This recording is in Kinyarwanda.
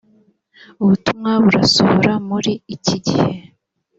ubutumwa burasohora muri iki gihe